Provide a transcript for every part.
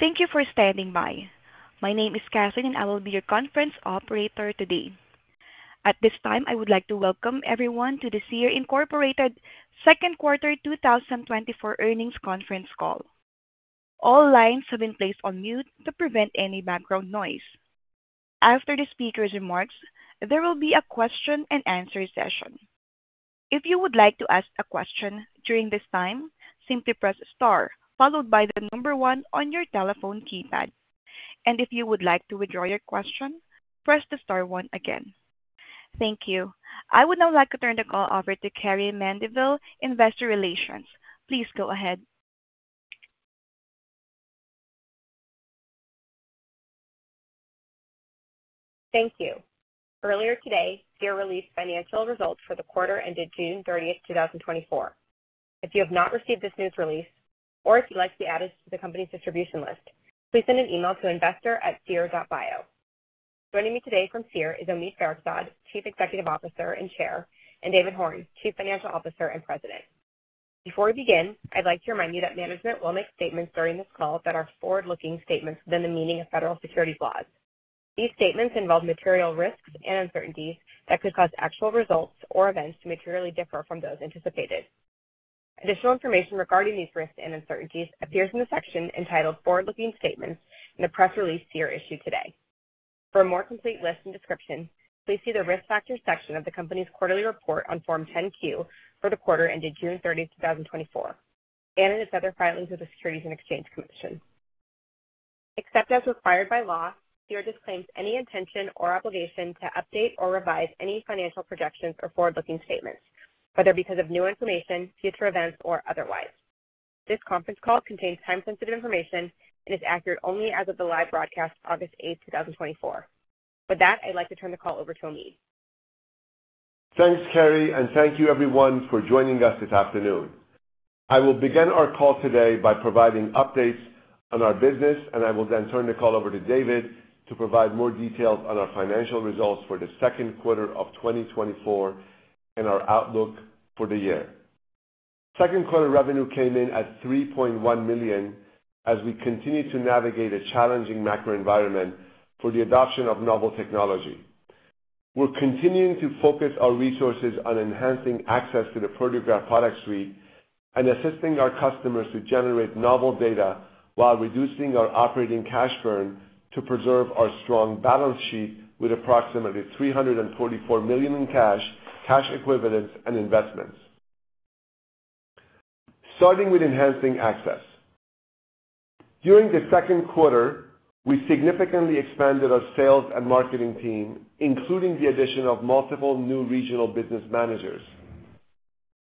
Thank you for standing by. My name is Catherine, and I will be your conference operator today. At this time, I would like to welcome everyone to the Seer Incorporated Second Quarter 2024 Earnings Conference Call. All lines have been placed on mute to prevent any background noise. After the speaker's remarks, there will be a question-and-answer session. If you would like to ask a question during this time, simply press star followed by the number one on your telephone keypad. If you would like to withdraw your question, press the star one again. Thank you. I would now like to turn the call over to Carrie Mendivil, Investor Relations. Please go ahead. Thank you. Earlier today, Seer released financial results for the quarter ended June 30th, 2024. If you have not received this news release or if you'd like to be added to the company's distribution list, please send an email to investor@seer.bio. Joining me today from Seer is Omid Farokhzad, Chief Executive Officer and Chair, and David Horn, Chief Financial Officer and President. Before we begin, I'd like to remind you that management will make statements during this call that are forward-looking statements within the meaning of federal securities laws. These statements involve material risks and uncertainties that could cause actual results or events to materially differ from those anticipated. Additional information regarding these risks and uncertainties appears in the section entitled Forward-Looking Statements in the press release Seer issued today. For a more complete list and description, please see the risk factors section of the company's quarterly report on Form 10-Q for the quarter ended June 30, 2024, and in its other filings with the Securities and Exchange Commission. Except as required by law, Seer disclaims any intention or obligation to update or revise any financial projections or forward-looking statements, whether because of new information, future events, or otherwise. This conference call contains time-sensitive information and is accurate only as of the live broadcast, August 8, 2024. With that, I'd like to turn the call over to Omid. Thanks, Carrie, and thank you everyone for joining us this afternoon. I will begin our call today by providing updates on our business, and I will then turn the call over to David to provide more details on our financial results for the second quarter of 2024 and our outlook for the year. Second quarter revenue came in at $3.1 million as we continue to navigate a challenging macro environment for the adoption of novel technology. We're continuing to focus our resources on enhancing access to the Proteograph Product Suite and assisting our customers to generate novel data while reducing our operating cash burn to preserve our strong balance sheet with approximately $344 million in cash, cash equivalents, and investments. Starting with enhancing access. During the second quarter, we significantly expanded our sales and marketing team, including the addition of multiple new regional business managers.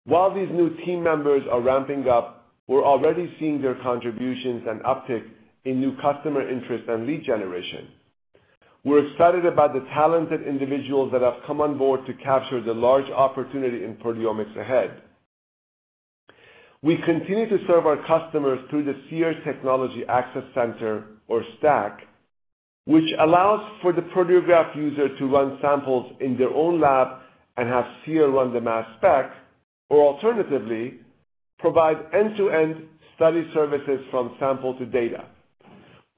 While these new team members are ramping up, we're already seeing their contributions and uptick in new customer interest and lead generation. We're excited about the talented individuals that have come on board to capture the large opportunity in proteomics ahead. We continue to serve our customers through the Seer Technology Access Center, or STAC, which allows for the Proteograph user to run samples in their own lab and have Seer run the mass spec, or alternatively, provide end-to-end study services from sample to data.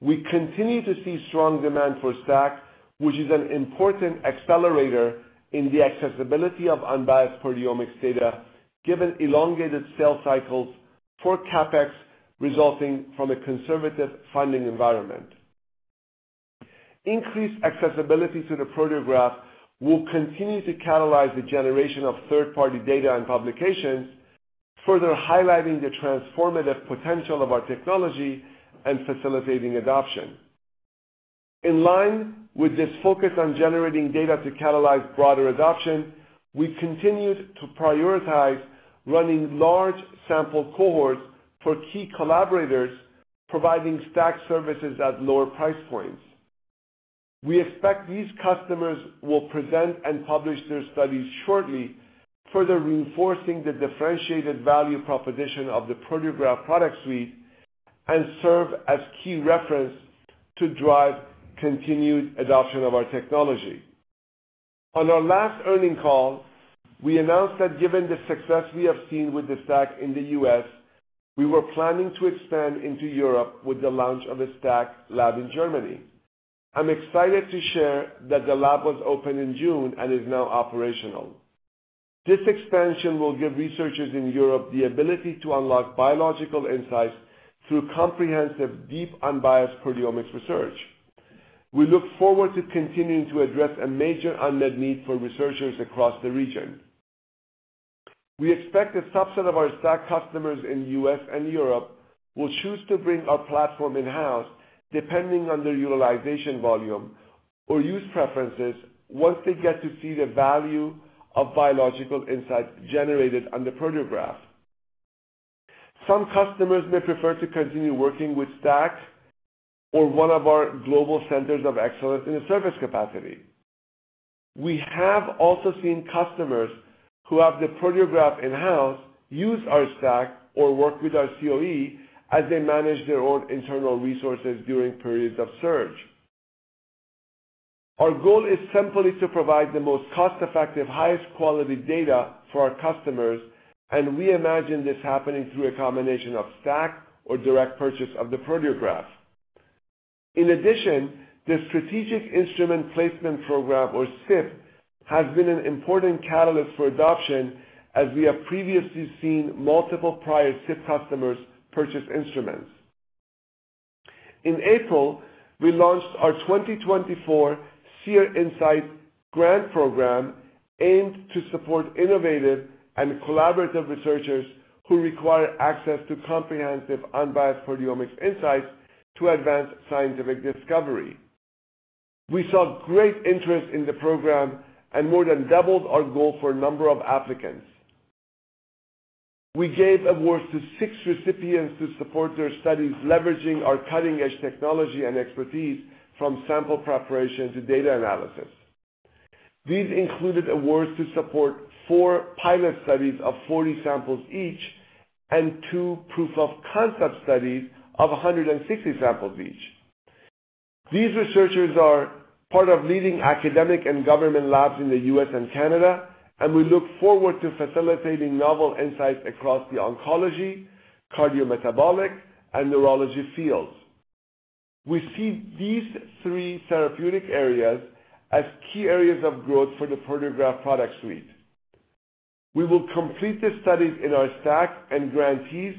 We continue to see strong demand for STAC, which is an important accelerator in the accessibility of unbiased proteomics data, given elongated sales cycles for CapEx resulting from a conservative funding environment. Increased accessibility to the Proteograph will continue to catalyze the generation of third-party data and publications, further highlighting the transformative potential of our technology and facilitating adoption. In line with this focus on generating data to catalyze broader adoption, we continued to prioritize running large sample cohorts for key collaborators, providing STAC services at lower price points. We expect these customers will present and publish their studies shortly, further reinforcing the differentiated value proposition of the Proteograph Product Suite and serve as key reference to drive continued adoption of our technology. On our last earnings call, we announced that given the success we have seen with the STAC in the U.S., we were planning to expand into Europe with the launch of a STAC lab in Germany. I'm excited to share that the lab was opened in June and is now operational. This expansion will give researchers in Europe the ability to unlock biological insights through comprehensive, deep, unbiased proteomics research. We look forward to continuing to address a major unmet need for researchers across the region. We expect a subset of our STAC customers in U.S. and Europe will choose to bring our platform in-house, depending on their utilization volume or use preferences, once they get to see the value of biological insights generated on the Proteograph. Some customers may prefer to continue working with STAC or one of our global centers of excellence in a service capacity. We have also seen customers who have the Proteograph in-house use our STAC or work with our COE as they manage their own internal resources during periods of surge. Our goal is simply to provide the most cost-effective, highest quality data for our customers, and we imagine this happening through a combination of STAC or direct purchase of the Proteograph. In addition, the Strategic Instrument Placement Program, or SIPP, has been an important catalyst for adoption, as we have previously seen multiple prior SIPP customers purchase instruments. In April, we launched our 2024 Seer Insight Grant Program, aimed to support innovative and collaborative researchers who require access to comprehensive, unbiased proteomic insights to advance scientific discovery. We saw great interest in the program and more than doubled our goal for number of applicants. We gave awards to six recipients to support their studies, leveraging our cutting-edge technology and expertise from sample preparation to data analysis. These included awards to support four pilot studies of 40 samples each, and two proof-of-concept studies of 160 samples each. These researchers are part of leading academic and government labs in the U.S. and Canada, and we look forward to facilitating novel insights across the oncology, cardiometabolic, and neurology fields. We see these three therapeutic areas as key areas of growth for the Proteograph Product Suite. We will complete the studies in our STAC, and grantees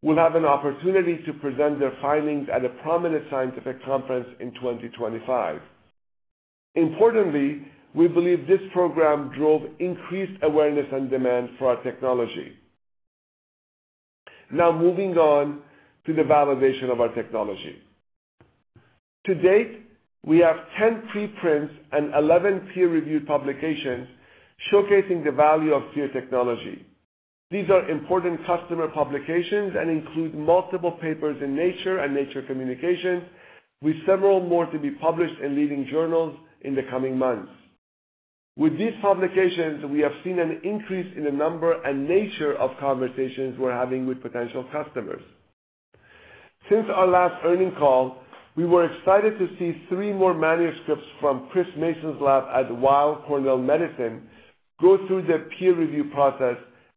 will have an opportunity to present their findings at a prominent scientific conference in 2025. Importantly, we believe this program drove increased awareness and demand for our technology. Now, moving on to the validation of our technology. To date, we have 10 preprints and 11 peer-reviewed publications showcasing the value of Seer technology. These are important customer publications and include multiple papers in Nature and Nature Communications, with several more to be published in leading journals in the coming months. With these publications, we have seen an increase in the number and nature of conversations we're having with potential customers. Since our last earning call, we were excited to see three more manuscripts from Chris Mason's lab at Weill Cornell Medicine go through the peer review process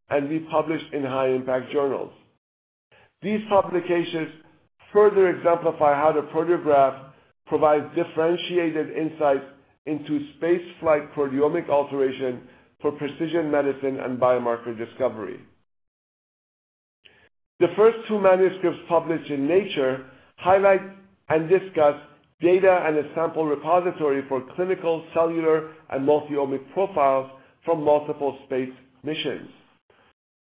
and be published in high-impact journals. These publications further exemplify how the Proteograph provides differentiated insights into spaceflight proteomic alteration for precision medicine and biomarker discovery. The first two manuscripts, published in Nature, highlight and discuss data and a sample repository for clinical, cellular, and multi-omic profiles from multiple space missions.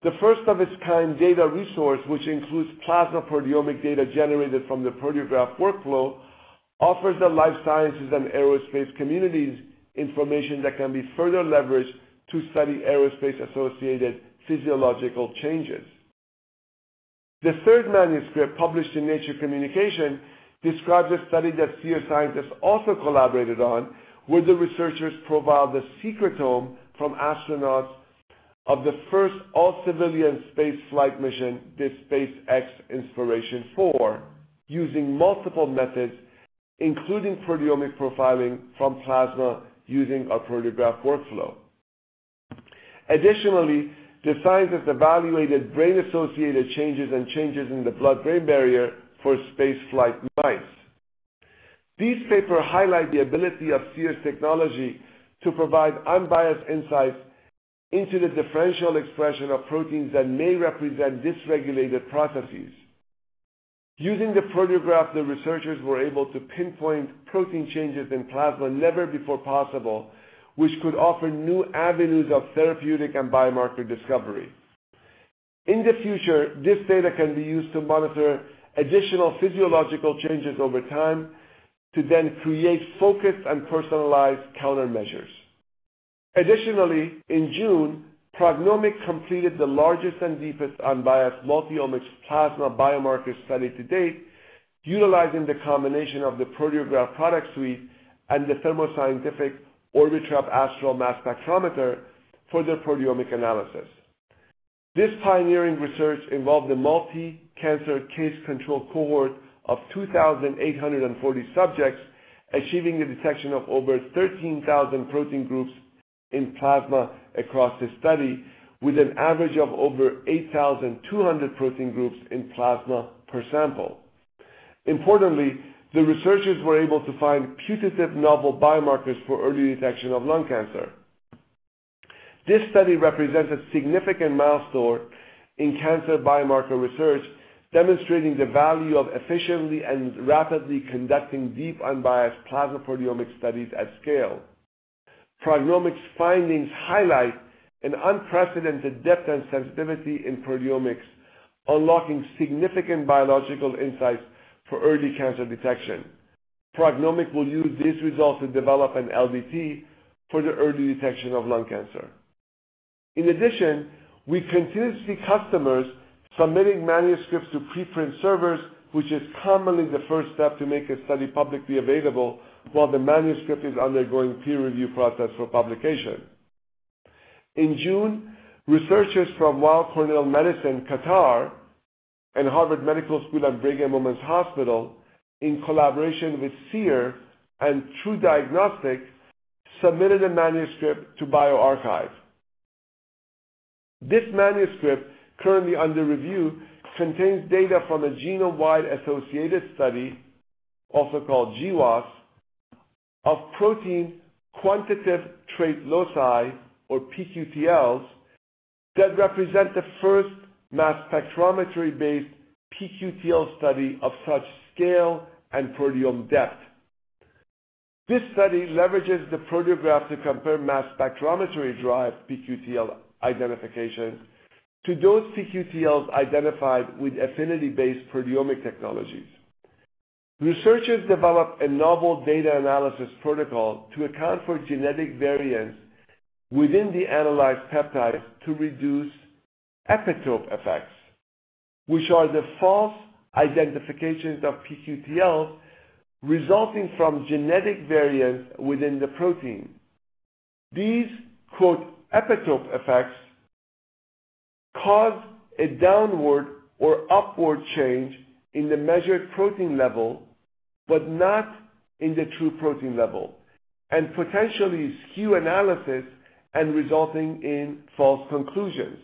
The first-of-its-kind data resource, which includes plasma proteomic data generated from the Proteograph workflow, offers the life sciences and aerospace communities information that can be further leveraged to study aerospace-associated physiological changes The third manuscript, published in Nature Communications, describes a study that Seer scientists also collaborated on, where the researchers profiled the secretome from astronauts of the first all-civilian spaceflight mission, the SpaceX Inspiration4, using multiple methods, including proteomic profiling from plasma using a Proteograph workflow. Additionally, the scientists evaluated brain-associated changes and changes in the blood-brain barrier for spaceflight mice. These papers highlight the ability of Seer's technology to provide unbiased insights into the differential expression of proteins that may represent dysregulated processes. Using the Proteograph, the researchers were able to pinpoint protein changes in plasma never before possible, which could offer new avenues of therapeutic and biomarker discovery. In the future, this data can be used to monitor additional physiological changes over time, to then create focused and personalized countermeasures. Additionally, in June, PrognomiQ completed the largest and deepest unbiased multi-omics plasma biomarker study to date, utilizing the combination of the Proteograph Product Suite and the Thermo Scientific Orbitrap Astral Mass Spectrometer for their proteomic analysis. This pioneering research involved a multi-cancer, case-control cohort of 2,840 subjects, achieving the detection of over 13,000 protein groups in plasma across the study, with an average of over 8,200 protein groups in plasma per sample. Importantly, the researchers were able to find putative novel biomarkers for early detection of lung cancer. This study represents a significant milestone in cancer biomarker research, demonstrating the value of efficiently and rapidly conducting deep, unbiased plasma proteomic studies at scale. PrognomiQ's findings highlight an unprecedented depth and sensitivity in proteomics, unlocking significant biological insights for early cancer detection. PrognomiQ will use these results to develop an LDT for the early detection of lung cancer. In addition, we continue to see customers submitting manuscripts to preprint servers, which is commonly the first step to make a study publicly available while the manuscript is undergoing peer review process for publication. In June, researchers from Weill Cornell Medicine, Qatar, and Harvard Medical School at Brigham and Women's Hospital, in collaboration with Seer and TruDiagnostic, submitted a manuscript to bioRxiv. This manuscript, currently under review, contains data from a genome-wide association study, also called GWAS, of protein quantitative trait loci, or pQTLs, that represent the first mass spectrometry-based pQTL study of such scale and proteome depth. This study leverages the Proteograph to compare mass spectrometry-derived pQTL identification to those pQTLs identified with affinity-based proteomic technologies. Researchers developed a novel data analysis protocol to account for genetic variants within the analyzed peptides to reduce epitope effects, which are the false identifications of pQTLs resulting from genetic variants within the protein. These "epitope effects" cause a downward or upward change in the measured protein level, but not in the true protein level, and potentially skew analysis and resulting in false conclusions.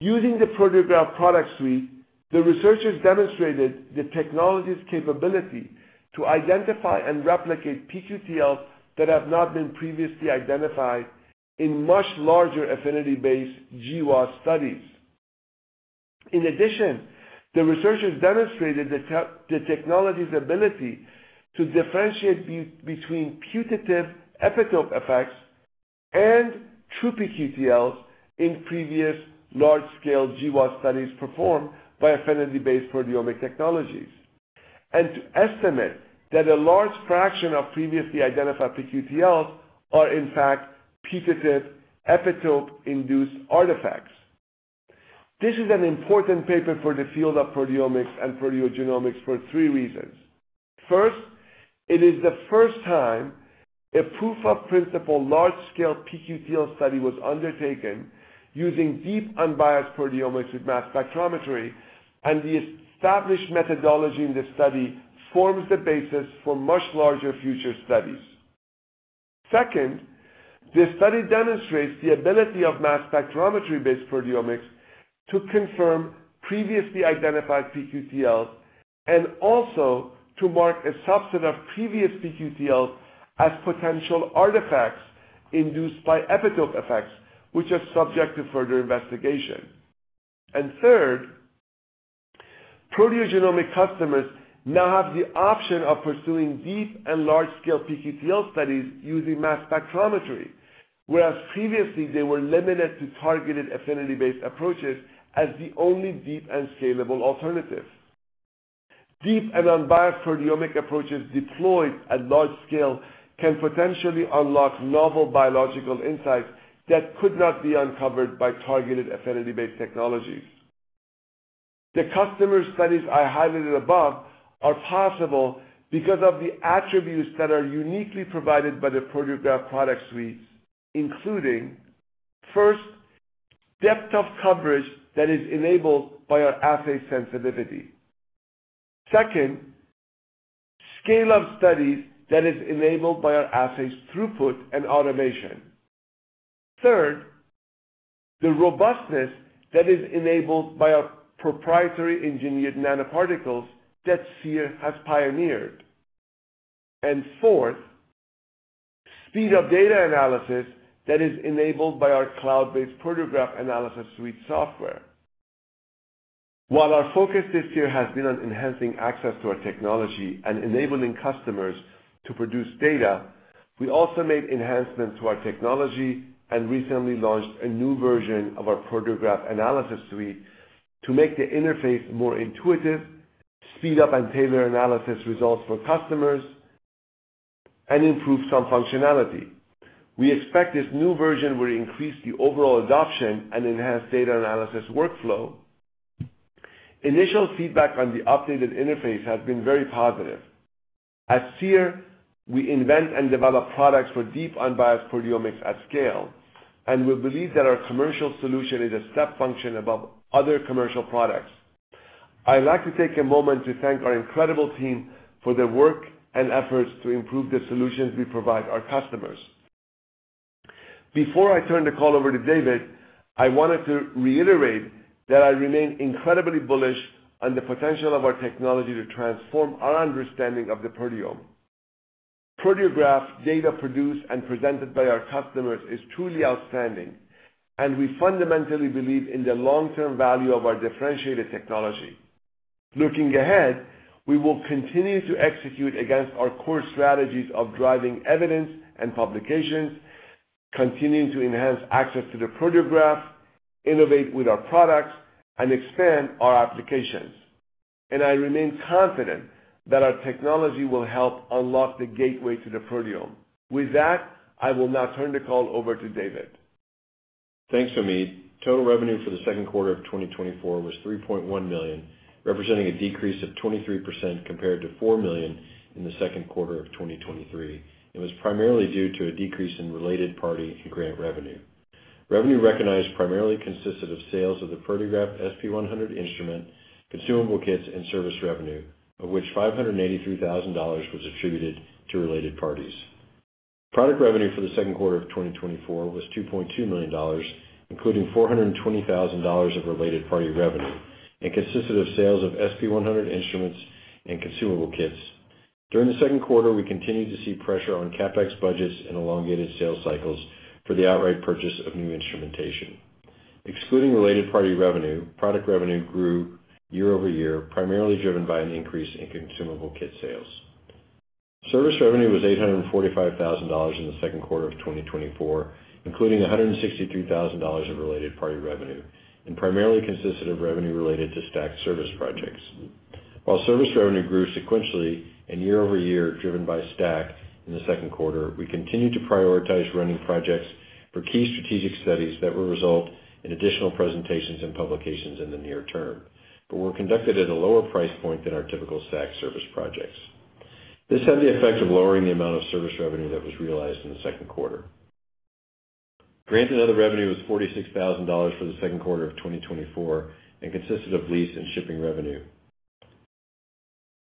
Using the Proteograph Product Suite, the researchers demonstrated the technology's capability to identify and replicate pQTLs that have not been previously identified in much larger affinity-based GWAS studies. In addition, the researchers demonstrated the technology's ability to differentiate between putative epitope effects and true pQTLs in previous large-scale GWAS studies performed by affinity-based proteomic technologies, and to estimate that a large fraction of previously identified pQTLs are, in fact, putative epitope-induced artifacts. This is an important paper for the field of proteomics and proteogenomics for three reasons. First, it is the first time a proof-of-principle large-scale pQTL study was undertaken using deep, unbiased proteomics with mass spectrometry, and the established methodology in this study forms the basis for much larger future studies. Second, the study demonstrates the ability of mass spectrometry-based proteomics to confirm previously identified pQTLs, and also to mark a subset of previous pQTLs as potential artifacts induced by epitope effects, which are subject to further investigation. Third, proteogenomic customers now have the option of pursuing deep and large-scale pQTL studies using mass spectrometry, whereas previously, they were limited to targeted affinity-based approaches as the only deep and scalable alternative. Deep and unbiased proteomic approaches deployed at large scale can potentially unlock novel biological insights that could not be uncovered by targeted affinity-based technologies. The customer studies I highlighted above are possible because of the attributes that are uniquely provided by the Proteograph Product Suite, including, first, depth of coverage that is enabled by our assay sensitivity. Second, scale of studies that is enabled by our assay's throughput and automation. Third, the robustness that is enabled by our proprietary engineered nanoparticles that Seer has pioneered. And fourth, speed of data analysis that is enabled by our cloud-based Proteograph Analysis Suite software. While our focus this year has been on enhancing access to our technology and enabling customers to produce data, we also made enhancements to our technology and recently launched a new version of our Proteograph Analysis Suite to make the interface more intuitive, speed up and tailor analysis results for customers, and improve some functionality. We expect this new version will increase the overall adoption and enhance data analysis workflow. Initial feedback on the updated interface has been very positive. At Seer, we invent and develop products for deep, unbiased proteomics at scale, and we believe that our commercial solution is a step function above other commercial products. I'd like to take a moment to thank our incredible team for their work and efforts to improve the solutions we provide our customers. Before I turn the call over to David, I wanted to reiterate that I remain incredibly bullish on the potential of our technology to transform our understanding of the proteome. Proteograph data produced and presented by our customers is truly outstanding, and we fundamentally believe in the long-term value of our differentiated technology. Looking ahead, we will continue to execute against our core strategies of driving evidence and publications, continuing to enhance access to the Proteograph, innovate with our products, and expand our applications. I remain confident that our technology will help unlock the gateway to the proteome. With that, I will now turn the call over to David. Thanks, Omid. Total revenue for the second quarter of 2024 was $3.1 million, representing a decrease of 23% compared to $4 million in the second quarter of 2023, and was primarily due to a decrease in related party and grant revenue. Revenue recognized primarily consisted of sales of the Proteograph SP100 instrument, consumable kits and service revenue, of which $583,000 was attributed to related parties. Product revenue for the second quarter of 2024 was $2.2 million, including $420,000 of related party revenue, and consisted of sales of SP100 instruments and consumable kits. During the second quarter, we continued to see pressure on CapEx budgets and elongated sales cycles for the outright purchase of new instrumentation. Excluding related party revenue, product revenue grew year-over-year, primarily driven by an increase in consumable kit sales. Service revenue was $845,000 in the second quarter of 2024, including $163,000 of related party revenue, and primarily consisted of revenue related to STAC service projects. While service revenue grew sequentially and year-over-year, driven by STAC in the second quarter, we continued to prioritize running projects for key strategic studies that will result in additional presentations and publications in the near term, but were conducted at a lower price point than our typical STAC service projects. This had the effect of lowering the amount of service revenue that was realized in the second quarter. Grant and other revenue was $46,000 for the second quarter of 2024 and consisted of lease and shipping revenue.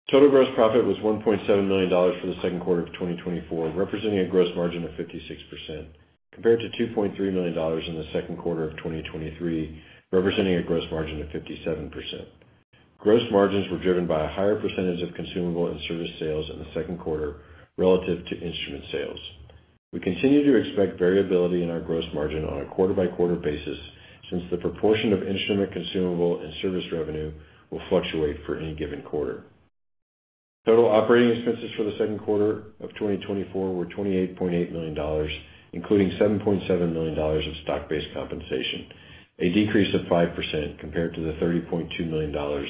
Total gross profit was $1.7 million for the second quarter of 2024, representing a gross margin of 56%, compared to $2.3 million in the second quarter of 2023, representing a gross margin of 57%. Gross margins were driven by a higher percentage of consumable and service sales in the second quarter relative to instrument sales. We continue to expect variability in our gross margin on a quarter-by-quarter basis, since the proportion of instrument, consumable, and service revenue will fluctuate for any given quarter. Total operating expenses for the second quarter of 2024 were $28.8 million, including $7.7 million of stock-based compensation, a decrease of 5% compared to the $30.2 million,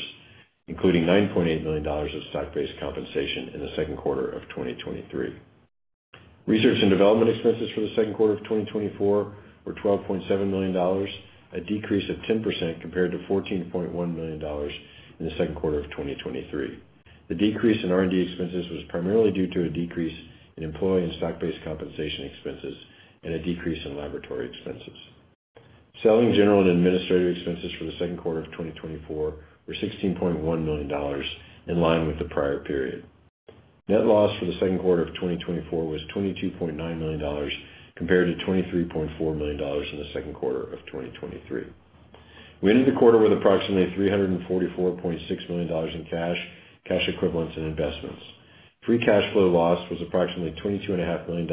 including $9.8 million of stock-based compensation in the second quarter of 2023. Research and development expenses for the second quarter of 2024 were $12.7 million, a decrease of 10% compared to $14.1 million in the second quarter of 2023. The decrease in R&D expenses was primarily due to a decrease in employee and stock-based compensation expenses and a decrease in laboratory expenses. Selling, general, and administrative expenses for the second quarter of 2024 were $16.1 million, in line with the prior period. Net loss for the second quarter of 2024 was $22.9 million, compared to $23.4 million in the second quarter of 2023. We ended the quarter with approximately $344.6 million in cash, cash equivalents, and investments. Free cash flow loss was approximately $22.5 million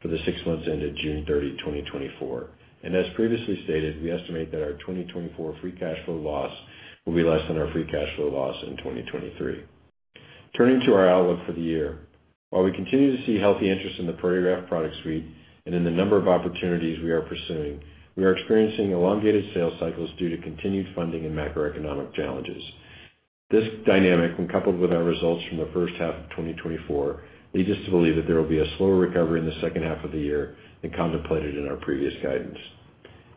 for the six months ended June 30, 2024, and as previously stated, we estimate that our 2024 free cash flow loss will be less than our free cash flow loss in 2023. Turning to our outlook for the year. While we continue to see healthy interest in the Proteograph Product Suite and in the number of opportunities we are pursuing, we are experiencing elongated sales cycles due to continued funding and macroeconomic challenges. This dynamic, when coupled with our results from the first half of 2024, leads us to believe that there will be a slower recovery in the second half of the year than contemplated in our previous guidance.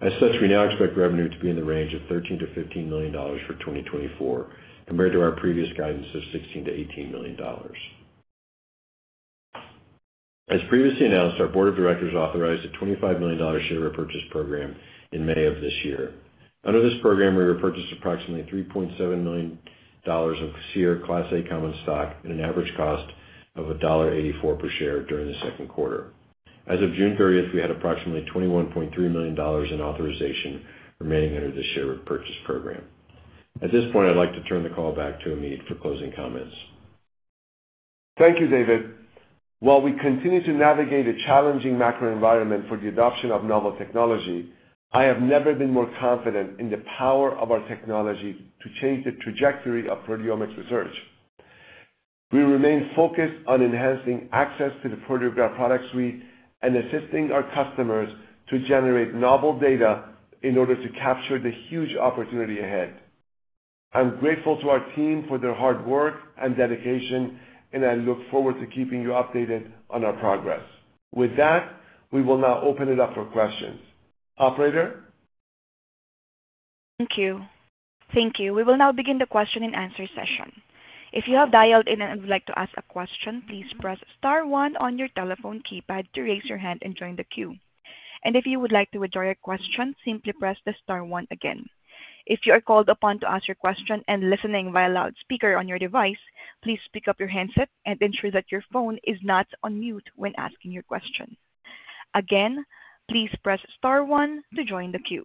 As such, we now expect revenue to be in the range of $13 million-$15 million for 2024, compared to our previous guidance of $16 million-$18 million. As previously announced, our board of directors authorized a $25 million share repurchase program in May of this year. Under this program, we repurchased approximately $3.7 million of Seer Class A common stock at an average cost of $1.84 per share during the second quarter. As of June 30, we had approximately $21.3 million in authorization remaining under the share repurchase program. At this point, I'd like to turn the call back to Omid for closing comments. Thank you, David. While we continue to navigate a challenging macro environment for the adoption of novel technology, I have never been more confident in the power of our technology to change the trajectory of proteomics research. We remain focused on enhancing access to the Proteograph Product Suite and assisting our customers to generate novel data in order to capture the huge opportunity ahead. I'm grateful to our team for their hard work and dedication, and I look forward to keeping you updated on our progress. With that, we will now open it up for questions. Operator? Thank you. We will now begin the question-and-answer session. If you have dialed in and would like to ask a question, please press star one on your telephone keypad to raise your hand and join the queue. If you would like to withdraw your question, simply press the star one again. If you are called upon to ask your question and listening via loudspeaker on your device, please pick up your handset and ensure that your phone is not on mute when asking your question. Again, please press star one to join the queue.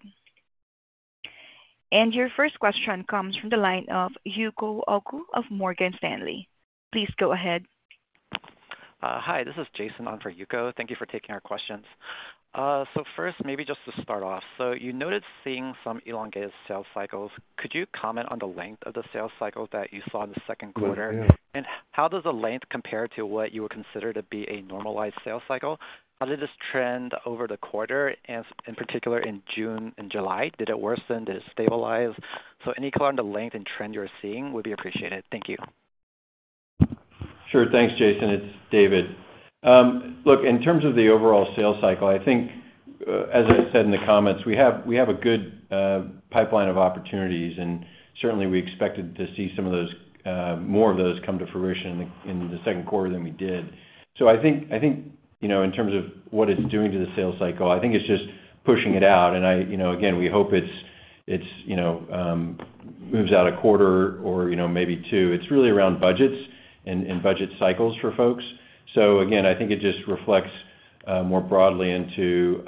Your first question comes from the line of Yuko Oku of Morgan Stanley. Please go ahead. Hi, this is Jason on for Yuko. Thank you for taking our questions. First, maybe just to start off, so you noted seeing some elongated sales cycles. Could you comment on the length of the sales cycle that you saw in the second quarter? How does the length compare to what you would consider to be a normalized sales cycle? How did this trend over the quarter, and in particular, in June and July? Did it worsen? Did it stabilize? Any color on the length and trend you're seeing would be appreciated. Thank you. Sure. Thanks, Jason. It's David. Look, in terms of the overall sales cycle, I think, as I said in the comments, we have a good pipeline of opportunities, and certainly we expected to see more of those come to fruition in the second quarter than we did. So I think, you know, in terms of what it's doing to the sales cycle, I think it's just pushing it out, and, you know, again, we hope it's, you know, moves out a quarter or, you know, maybe two. It's really around budgets and budget cycles for folks. So again, I think it just reflects more broadly into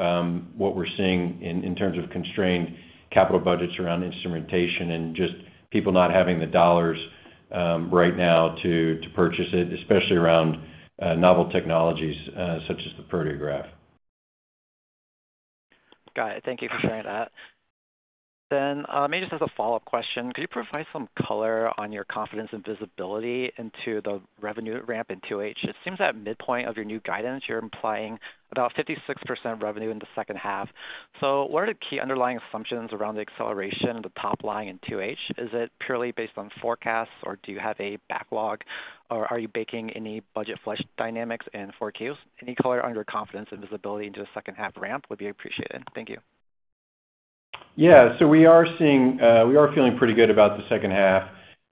what we're seeing in terms of constrained capital budgets around instrumentation and just people not having the dollars right now to purchase it, especially around novel technologies such as the Proteograph. Got it. Thank you for sharing that. Then, maybe just as a follow-up question, could you provide some color on your confidence and visibility into the revenue ramp in 2H? It seems at midpoint of your new guidance, you're implying about 56% revenue in the second half. So what are the key underlying assumptions around the acceleration of the top line in 2H? Is it purely based on forecasts, or do you have a backlog, or are you baking any budget flush dynamics in 4Qs? Any color on your confidence and visibility into the second half ramp would be appreciated. Thank you. Yeah, so we are feeling pretty good about the second half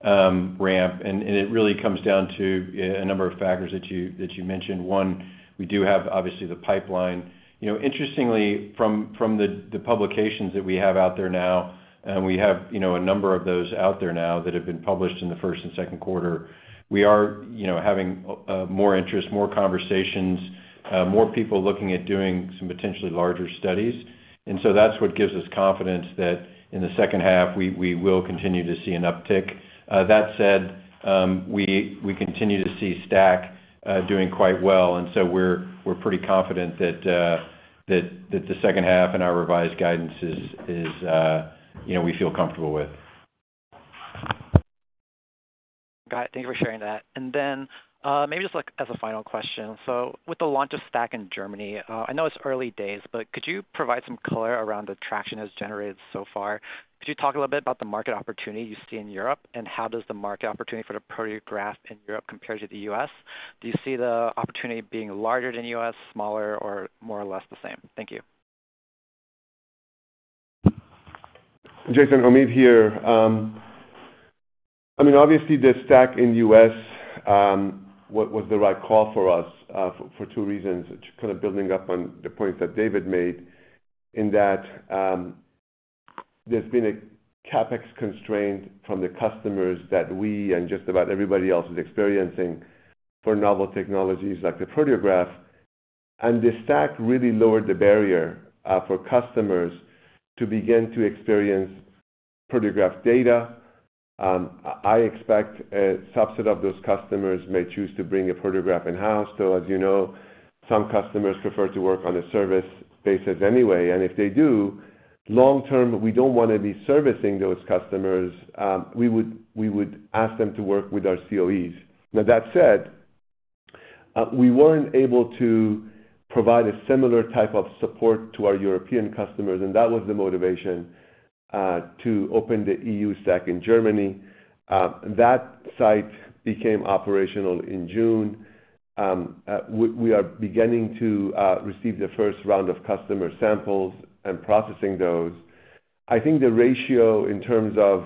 ramp, and it really comes down to a number of factors that you mentioned. One, we do have, obviously, the pipeline. You know, interestingly, from the publications that we have out there now, and we have, you know, a number of those out there now that have been published in the first and second quarter, we are, you know, having more interest, more conversations, more people looking at doing some potentially larger studies. And so that's what gives us confidence that in the second half, we will continue to see an uptick. That said, we continue to see STAC doing quite well, and so we're pretty confident that the second half and our revised guidance is, you know, we feel comfortable with. Got it. Thank you for sharing that. And then, maybe just, like, as a final question. So with the launch of STAC in Germany, I know it's early days, but could you provide some color around the traction it's generated so far? Could you talk a little bit about the market opportunity you see in Europe, and how does the market opportunity for the Proteograph in Europe compare to the U.S.? Do you see the opportunity being larger than U.S., smaller, or more or less the same? Thank you. Jason, Omid here. I mean, obviously, the STAC in the U.S. was the right call for us, for two reasons. It's kind of building up on the point that David made, in that, there's been a CapEx constraint from the customers that we and just about everybody else is experiencing for novel technologies like the Proteograph. The STAC really lowered the barrier, for customers to begin to experience Proteograph data. I expect a subset of those customers may choose to bring a Proteograph in-house, so as you know, some customers prefer to work on a service basis anyway, and if they do, long term, we don't want to be servicing those customers. We would ask them to work with our COEs. Now, that said, we weren't able to provide a similar type of support to our European customers, and that was the motivation to open the EU STAC in Germany. That site became operational in June. We are beginning to receive the first round of customer samples and processing those. I think the ratio in terms of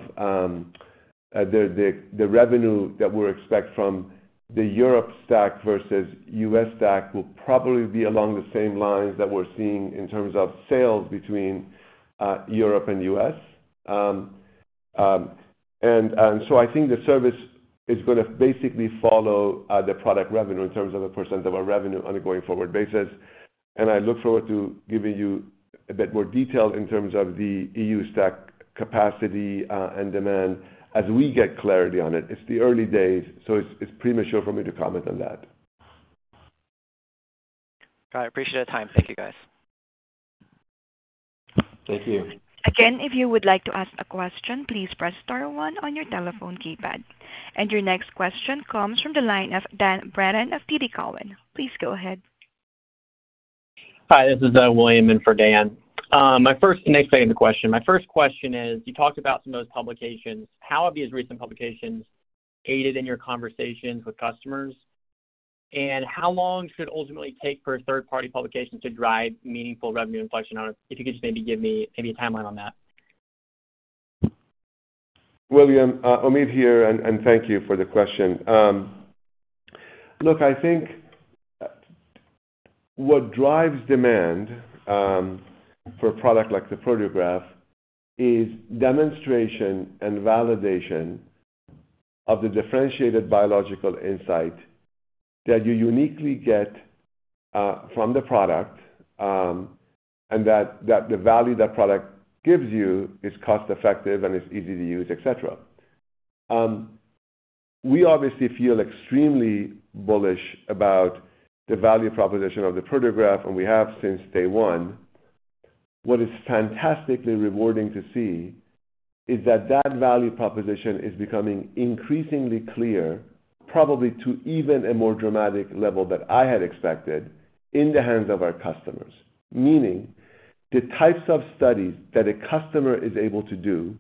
the revenue that we're expecting from the Europe STAC versus U.S. STAC will probably be along the same lines that we're seeing in terms of sales between Europe and U.S. And so I think the service is gonna basically follow the product revenue in terms of the percent of our revenue on a going-forward basis. I look forward to giving you a bit more detail in terms of the EU STAC capacity, and demand as we get clarity on it. It's the early days, so it's premature for me to comment on that. I appreciate the time. Thank you, guys. Thank you. Again, if you would like to ask a question, please press star one on your telephone keypad. Your next question comes from the line of Dan Brennan of TD Cowen. Please go ahead. Hi, this is William in for Dan. My first question is, you talked about some of those publications. How have these recent publications aided in your conversations with customers? And how long should it ultimately take for a third-party publication to drive meaningful revenue inflection on it? If you could just maybe give me maybe a timeline on that. William, Omid here, and thank you for the question. Look, I think what drives demand for a product like the Proteograph is demonstration and validation of the differentiated biological insight that you uniquely get from the product, and that the value that product gives you is cost-effective and is easy to use, et cetera. We obviously feel extremely bullish about the value proposition of the Proteograph, and we have since day one. What is fantastically rewarding to see is that that value proposition is becoming increasingly clear, probably to even a more dramatic level than I had expected, in the hands of our customers. Meaning, the types of studies that a customer is able to do,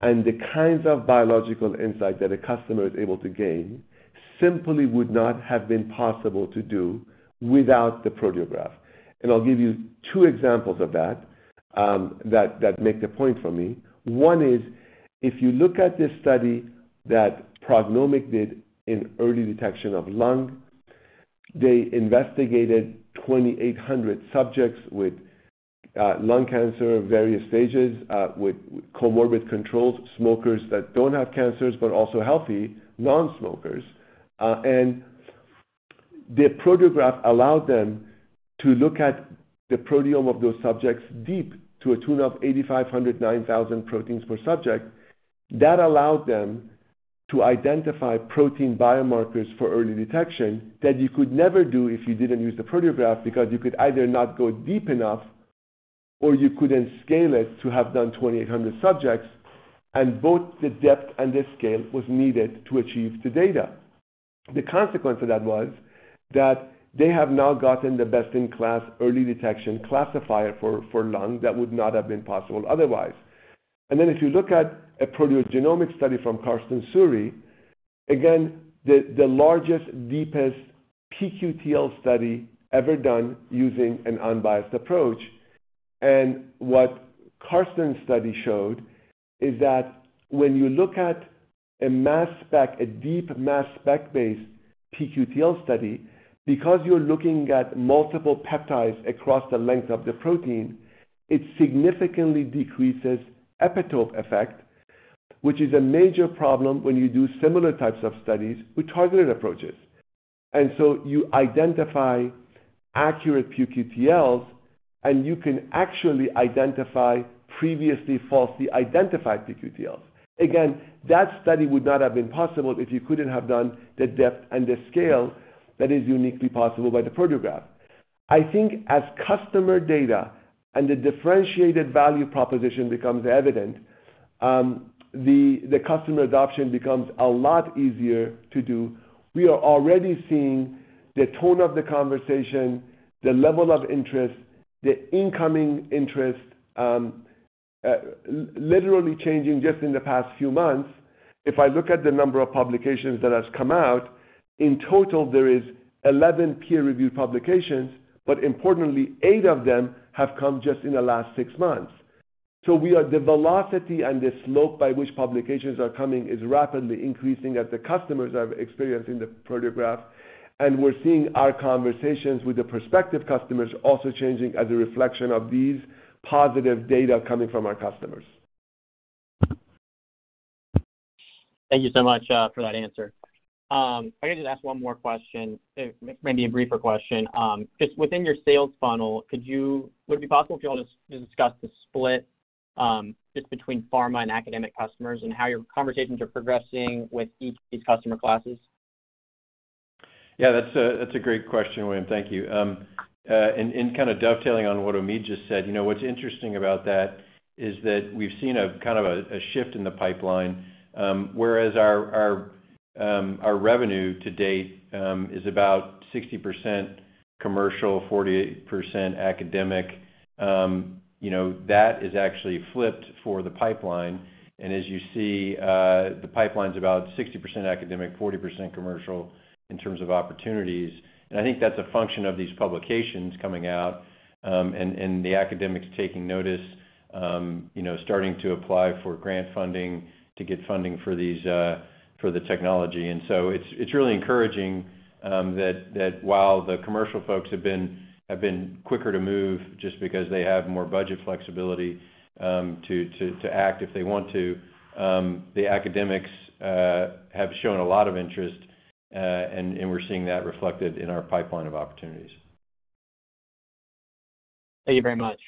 and the kinds of biological insight that a customer is able to gain, simply would not have been possible to do without the Proteograph. I'll give you two examples of that, that make the point for me. One is, if you look at the study that PrognomiQ did in early detection of lung, they investigated 2,800 subjects with lung cancer, various stages, with comorbid controlled smokers that don't have cancers, but also healthy non-smokers. And the Proteograph allowed them to look at the proteome of those subjects deep, to a tune of 8,500, 9,000 proteins per subject. That allowed them to identify protein biomarkers for early detection, that you could never do if you didn't use the Proteograph, because you could either not go deep enough, or you couldn't scale it to have done 2,800 subjects, and both the depth and the scale was needed to achieve the data. The consequence of that was that they have now gotten the best-in-class early detection classifier for lung that would not have been possible otherwise. Then if you look at a proteogenomic study from Karsten Suhre, again, the largest, deepest pQTL study ever done using an unbiased approach. And what Karsten's study showed is that when you look at a mass spec, a deep mass spec-based pQTL study, because you're looking at multiple peptides across the length of the protein, it significantly decreases epitope effect, which is a major problem when you do similar types of studies with targeted approaches. And so you identify accurate pQTLs, and you can actually identify previously falsely identified pQTLs. Again, that study would not have been possible if you couldn't have done the depth and the scale that is uniquely possible by the Proteograph. I think as customer data and the differentiated value proposition becomes evident, the customer adoption becomes a lot easier to do. We are already seeing the tone of the conversation, the level of interest, the incoming interest, literally changing just in the past few months. If I look at the number of publications that has come out, in total, there is 11 peer-reviewed publications, but importantly, eight of them have come just in the last six months. So the velocity and the slope by which publications are coming is rapidly increasing as the customers are experiencing the Proteograph, and we're seeing our conversations with the prospective customers also changing as a reflection of these positive data coming from our customers. Thank you so much for that answer. If I could just ask one more question, maybe a briefer question. Just within your sales funnel, would it be possible for you all to discuss the split just between pharma and academic customers, and how your conversations are progressing with each of these customer classes? Yeah, that's a great question, William. Thank you. And kind of dovetailing on what Omid just said, you know, what's interesting about that is that we've seen a kind of a shift in the pipeline. Whereas our revenue to date is about 60% commercial, 40% academic, you know, that is actually flipped for the pipeline. And as you see, the pipeline's about 60% academic, 40% commercial in terms of opportunities. And I think that's a function of these publications coming out, and the academics taking notice, you know, starting to apply for grant funding to get funding for these for the technology. And so it's really encouraging that while the commercial folks have been quicker to move, just because they have more budget flexibility to act if they want to, the academics have shown a lot of interest, and we're seeing that reflected in our pipeline of opportunities. Thank you very much.